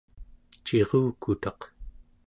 cirukutaq